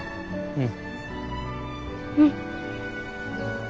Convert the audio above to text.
うん。